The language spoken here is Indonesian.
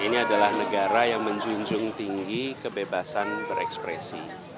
ini adalah negara yang menjunjung tinggi kebebasan berekspresi